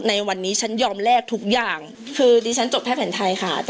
ในวันนี้ฉันยอมแลกทุกอย่างคือดิฉันจบแพทย์แผนไทยค่ะ